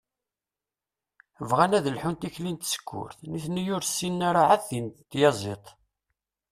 Bɣan ad lḥun tikli n tsekkurt, nutni ur ssinen ara ɛad tin n tyaziḍt.